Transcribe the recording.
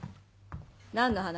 何の話？